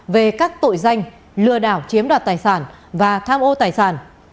về các tội danh lừa đảo chiếm đoạt tài sản và tham ô tài sản